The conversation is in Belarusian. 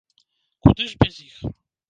Куды ж без іх!